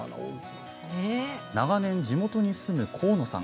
長年、地元に住む河野さん。